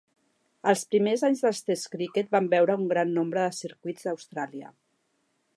Els primers anys dels test criquet van veure un gran nombre de circuits a Austràlia.